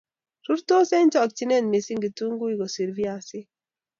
Rurtos eng chokchinet missing kitunguik kosir viasik